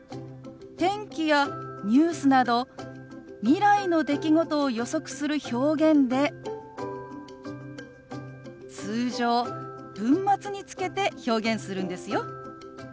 天気やニュースなど未来の出来事を予測する表現で通常文末につけて表現するんですよ。